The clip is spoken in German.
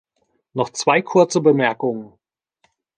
Noch zwei kurze Bemerkungen.